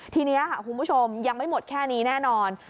ทีนี้ค่ะคุณผู้ชมยังไม่หมดแค่นี้แน่นอน